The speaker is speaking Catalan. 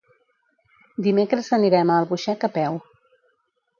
Dimecres anirem a Albuixec a peu.